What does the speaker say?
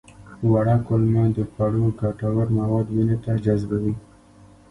وړه کولمه د خوړو ګټور مواد وینې ته جذبوي